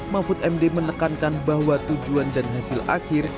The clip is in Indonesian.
mahfud md menekankan bahwa tujuan dan hasil akhir